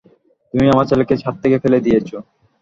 তুমি আমার ছেলেকে ছাদ থেকে ফেলে দিয়েছো।